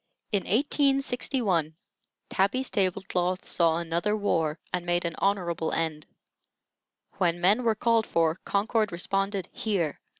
In 1861, Tabby's table cloth saw another war, and made an honorable end. When men were called for, Concord responded "Here!"